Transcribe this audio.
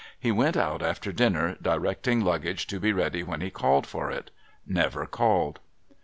He went out after dinner, directing liUggage to be ready when he called for it. Never called.